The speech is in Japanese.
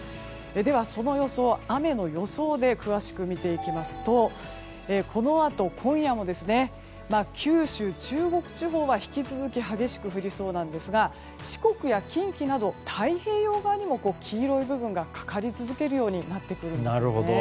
その様子を雨の予想で詳しく見ていきますとこのあと今夜も九州、中国地方は引き続き激しく降りそうですが四国や近畿など太平洋側にも黄色い部分がかかり続けるようになってくるんですね。